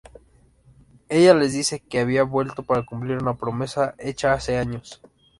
Ella les dice que había vuelto para cumplir una promesa hecha hace años.